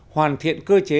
hoàn thiện cơ chế